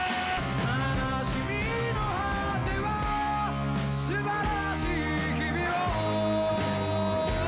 「悲しみの果ては素晴らしい日々を」